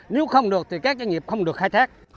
nếu không được thì các doanh nghiệp không được khai thác